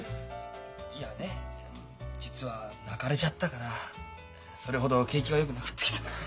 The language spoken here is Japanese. いやね実は泣かれちゃったからそれほど景気はよくなかったけど。